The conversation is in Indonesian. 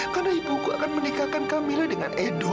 karena ibuku akan menikahkan kamila dengan edo